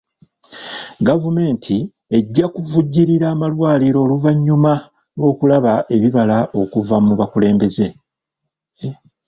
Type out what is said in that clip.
Gavumenti ejja kuvujjirira amalwaliro oluvannyuma lw'okulaba ebibala okuva mu bakulembeze.